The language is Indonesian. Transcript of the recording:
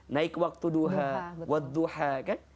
naik waktu duha